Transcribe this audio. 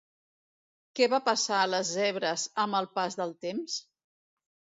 Què va passar a les zebres amb el pas del temps?